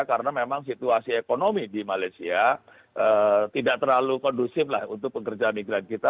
karena memang situasi ekonomi di malaysia tidak terlalu kondusif lah untuk pekerjaan imigran kita